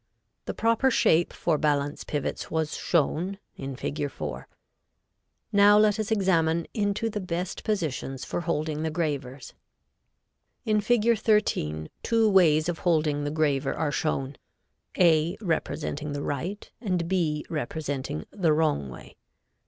The proper shape for balance pivots was shown in Fig. 4. Now let us examine into the best positions for holding the gravers. In Fig. 13 two ways of holding the graver are shown, A representing the right and B representing the wrong way.